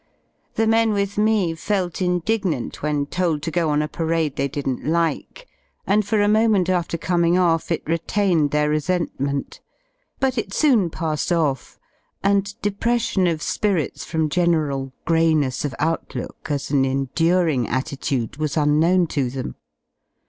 The men with me felt indignant when told to go on a parade they didn't like, and for a moment after coming oflF it retained their resentment; but it soon passed off, and depression of spirits from general greyness of outlook, as an enduring attitude, was unknown to them.